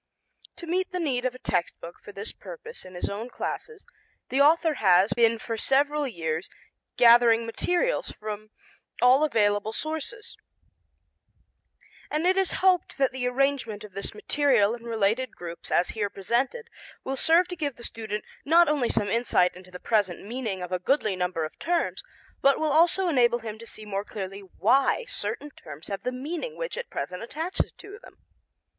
To meet the need of a text book for this purpose in his own classes the author has been for several years gathering material from all available sources, and it is hoped that the arrangement of this material in related groups as here presented will serve to give the student not only some insight into the present meaning of a goodly number of terms, but will also enable him to see more clearly why certain terms have the meaning which at present attaches to them.